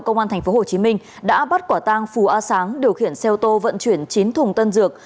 công an tp hcm đã bắt quả tang phù a sáng điều khiển xe ô tô vận chuyển chín thùng tân dược